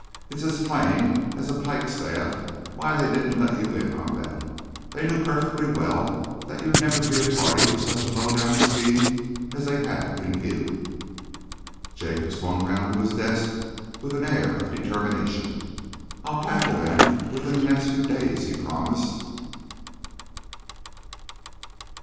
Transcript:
It's as plain as a pikestaff why they didn't let you in on that. They knew perfectly well that you'd never be a party to such a low down scheme as they had in view." Jacob swung round to his desk with an air of determination. "I'll tackle them within the next few days," he promised.